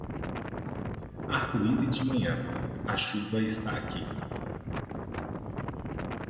Arco-íris de manhã, a chuva está aqui.